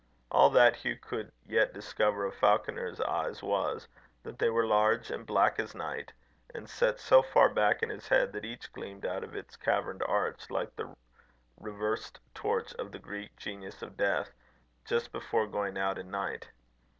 All that Hugh could yet discover of Falconer's eyes was, that they were large, and black as night, and set so far back in his head, that each gleamed out of its caverned arch like the reversed torch of the Greek Genius of Death, just before going out in night.